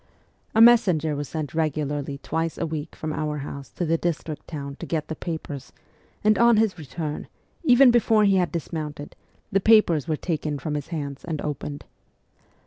A messenger was sent regularly twice a week from our house to the district town to get the papers ; and on his return, even before he had dismounted, the papers CHILDHOOD 75 were taken from his hands and opened.